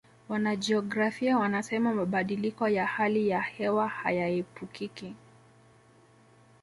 wanajiografia wanasema mabadiliko ya hali ya hewa hayaepukiki